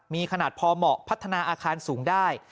มีขนาดพอเหมาะพัฒนาอาคารสูงได้